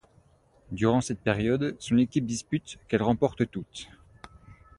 Durant cette période, son équipe dispute qu'elle remporte toutes.